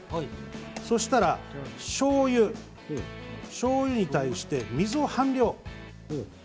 そうしたら、しょうゆしょうゆに対して水を半量。